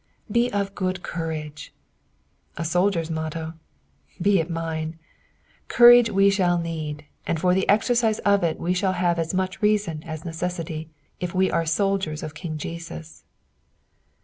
'■ Be ef good eovTogt." A. soldier's motto. Be it mine. Coursge wo shall need, and for the exercise of it we have as much reason as necessity, if we are soldiers of King Jesus.